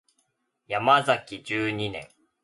ヤマザキ十二年